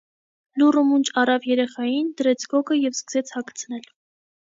Լուռ ու մունջ առավ երեխային, դրեց գոգը և սկսեց հագցնել: